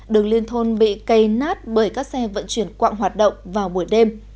đường liên thôn bị cây nát bởi các xe vận chuyển quạng hoạt động vào buổi đêm